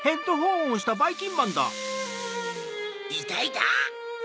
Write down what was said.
いたいた！